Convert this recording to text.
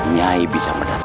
nyai bisa mendatangi